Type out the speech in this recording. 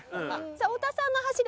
さあ太田さんの走り